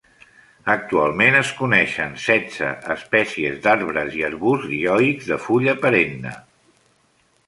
Actualment, es coneixen setze espècies d'arbres i arbusts dioics de fulla perenne.